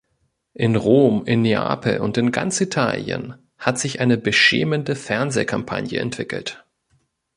In Rom, in Neapel und in ganz Italien hat sich eine beschämende Fernsehkampagne entwickelt.